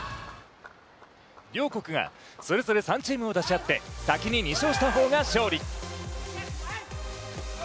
両国がそれぞれ３チームを出し合って先に２勝した方が勝利。